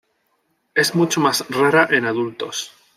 Es mucho más rara en adultos.